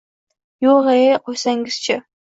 Yoʻgʻ-e, qoʻysangiz-chi